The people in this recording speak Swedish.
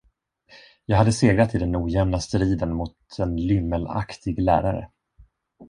Jag hade segrat i den ojämna striden mot en lymmelaktig lärare.